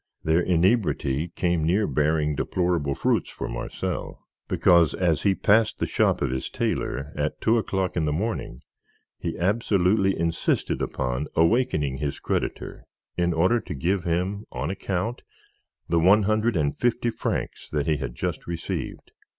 Their inebriety came near bearing deplorable fruits for Marcel, because as he passed the shop of his tailor, at two o'clock in the morning, he absolutely insisted upon awakening his creditor in order to give him, on account, the one hundred and fifty francs that he had just received.